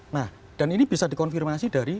nah dan ini bisa dikonfirmasi dari